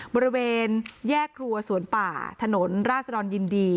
บริเวณแยกครัวสวนป่าถนนราชดรยินดี